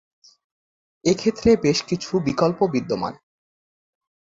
এক্ষেত্রে বেশ কিছু বিকল্প বিদ্যমান।